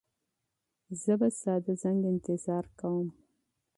زه به ستا د زنګ انتظار کوم.